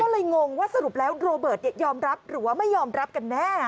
ก็เลยงงว่าสรุปแล้วโรเบิร์ตยอมรับหรือว่าไม่ยอมรับกันแน่